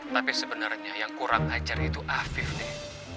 tapi sebenarnya yang kurang ajar itu afif deh